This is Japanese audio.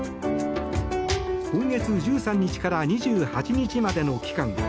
今月１３日から２８日までの期間